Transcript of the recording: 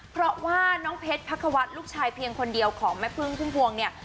เพราะว่าน้องเพชรพักควัฒน์ลูกชายเพียงคนเดียวของแม่พึ่งพุ่มพวงเนี่ย